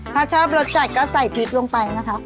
ถ้าชอบรสจัดก็ใส่พริกลงไปนะคะ